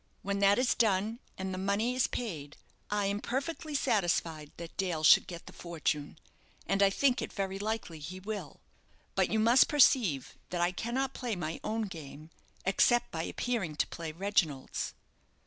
When that is done, and the money is paid, I am perfectly satisfied that Dale should get the fortune, and I think it very likely he will; but you must perceive that I cannot play my own game except by appearing to play Reginald's."